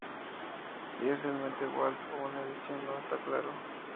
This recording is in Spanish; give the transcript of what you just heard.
Si es realmente Walt o una visión no está claro.